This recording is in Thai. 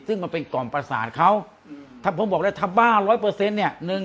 ซึ่งมันเป็นกล่อมประสาทเขาถ้าบ้า๑๐๐เนี่ย